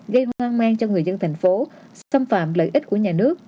gây hoang mang cho người dân thành phố xâm phạm lợi ích của nhà nước